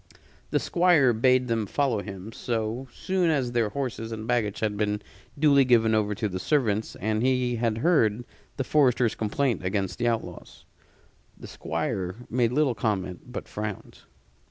The Squire bade them follow him, so soon as their horses and baggage had been duly given over to the servants and he had heard the forester's complaint against the outlaws. The Squire made little comment, but frowned.